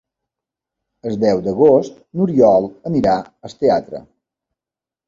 El deu d'agost n'Oriol anirà al teatre.